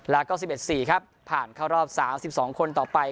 แล้วก็สิบเอ็ดสี่ครับผ่านเข้ารอบสามสิบสองคนต่อไป